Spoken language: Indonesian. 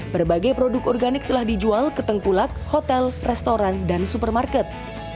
berbagai produk organik telah dijual ke tengkulak hotel restoran dan supermarket